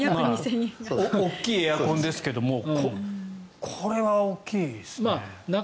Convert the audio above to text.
大きいエアコンですがこれは大きいですね。